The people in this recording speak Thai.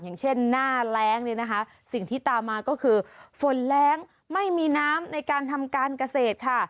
อย่างเช่นหน้าแรงเนี่ยนะคะสิ่งที่ตามมาก็คือฝนแรงไม่มีน้ำในการทำการเกษตรค่ะ